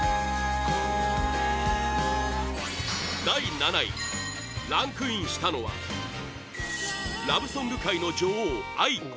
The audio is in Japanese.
第７位ランクインしたのはラブソング界の女王